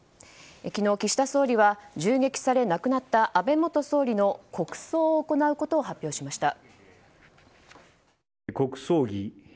昨日、岸田総理は銃撃され亡くなった安倍元総理の国葬を行うことを発表しました。